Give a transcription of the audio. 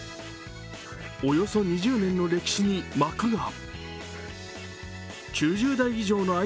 およそ２０年の歴史に幕が。